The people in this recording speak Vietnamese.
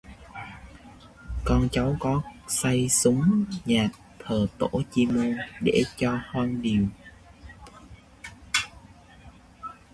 Con cháu có xây xúng nhà thờ Tổ chi mô, để cho hoang điều